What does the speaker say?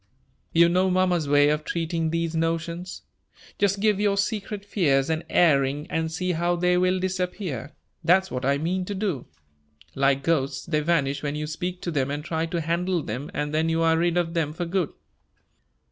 You know mamma's way of treating these notions. 'Just give your secret fears an airing, and see how they will disappear,' that's what I mean to do. Like ghosts, they vanish when you speak to them and try to handle them, and then you are rid of them for good."